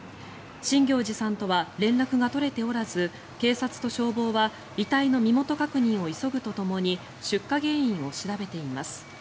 新行内さんとは連絡が取れておらず警察と消防は遺体の身元確認を急ぐとともに出火原因を調べています。